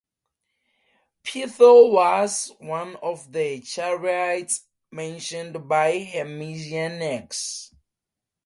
Peitho was one of the Charites mentioned by Hermesianax.